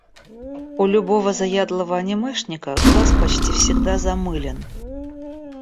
У любого заядлого анимешника глаз почти всегда замылен.